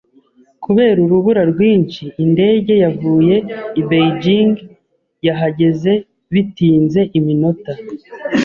Kubera urubura rwinshi, indege yavuye i Beijing yahageze bitinze iminota .